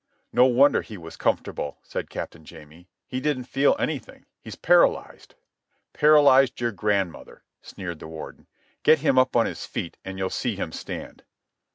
"No wonder he was comfortable," said Captain Jamie. "He didn't feel anything. He's paralysed." "Paralysed your grandmother," sneered the Warden. "Get him up on his feat and you'll see him stand."